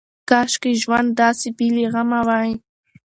کاشکې ژوند داسې بې له غمه وای.